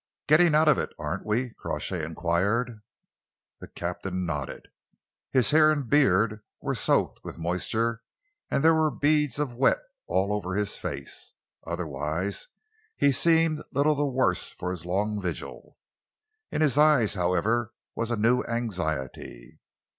"Getting out of it, aren't we?" Crawshay enquired. The captain nodded. His hair and beard were soaked with moisture, and there were beads of wet all over his face. Otherwise he seemed little the worse for his long vigil. In his eyes, however, was a new anxiety.